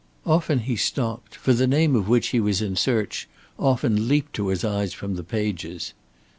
Often he stopped, for the name of which he was in search often leaped to his eyes from the pages.